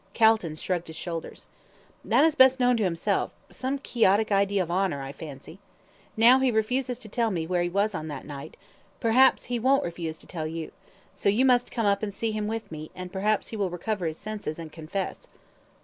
Calton shrugged his shoulders. "That is best known to himself some Quixotic idea of honour, I fancy. Now, he refuses to tell me where he was on that night; perhaps he won't refuse to tell you so you must come up and see him with me, and perhaps he will recover his senses, and confess."